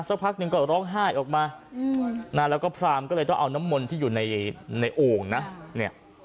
สักพักหนึ่งก็ร้องไห้ออกมาอืมน่าแล้วก็พราหมณ์ก็เลยต้องเอาน้ำมณที่อยู่ในในองค์นะเนี้ย